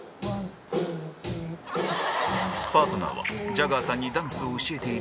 パートナーはジャガーさんにダンスを教えている